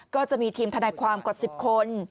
ก็จะมีทีมทนายความกว่า๑๐คน